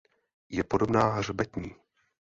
Je podobná hřbetní.